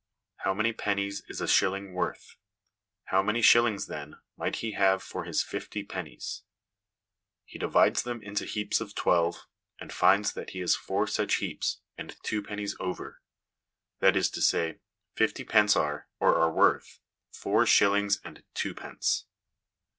How many pennies is a shilling worth ? How many shillings, then, might he have for his fifty pennies ? He divides them into heaps of twelve, and finds that he has four such heaps, and two pennies over ; that is to say, fifty pence are (or are worth) four shillings and twopence.